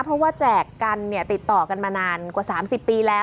เพราะว่าแจกกันเนี่ยติดต่อกันมานานกว่า๓๐ปีแล้ว